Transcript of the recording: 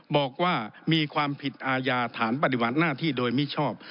บอกว่ามีความผิดอาญาฐานปฏิบัติหน้าที่โดยมิชอบ